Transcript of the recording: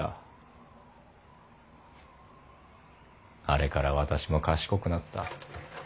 あれから私も賢くなった。